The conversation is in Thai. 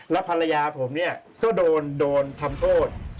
แล้วภรรยาผมเนี่ยก็โดนทำโทษ